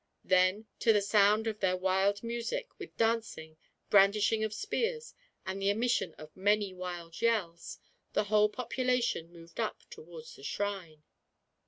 Then, to the sound of their wild music, with dancing, brandishing of spears, and the emission of many wild yells, the whole population moved up towards the shrine.